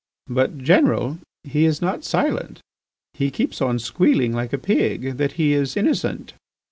"But, General, he is not silent; he keeps on squealing like a pig that he is innocent."